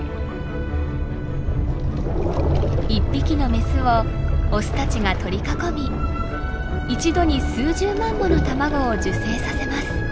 一匹のメスをオスたちが取り囲み一度に数十万もの卵を受精させます。